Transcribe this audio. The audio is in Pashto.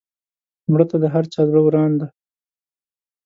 مړه ته د هر چا زړه وران دی